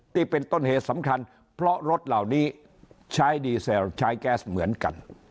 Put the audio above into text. ที่เป็นต้นเหตุสำคัญเพราะรถเหล่านี้ใช้ดีเซลใช้แก๊สเหมือนกัน